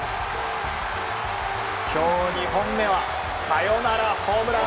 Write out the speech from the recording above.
今日２本目はサヨナラホームラン！